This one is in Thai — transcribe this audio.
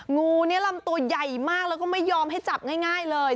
งูนี้ลำตัวใหญ่มากแล้วก็ไม่ยอมให้จับง่ายเลย